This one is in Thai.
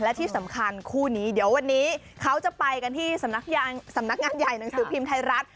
และที่สำคัญคู่นี้เดี๋ยววันนี้เขาจะไปกันที่สำนักงานใหญ่หนังสือพิมพ์ไทยรัฐ